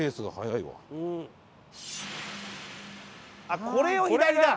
あっこれを左だ！